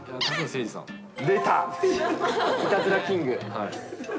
いたずらキング。